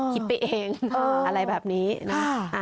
คิดไปเองอะไรแบบนี้นะ